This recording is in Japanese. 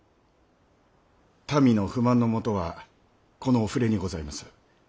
民の不満のもとはこのお触れにございます。